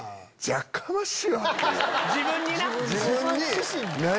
自分にな。